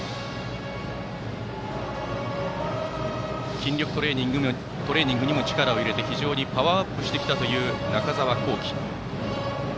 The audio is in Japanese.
筋力トレーニングにも力を入れて非常にパワーアップしてきた中澤恒貴。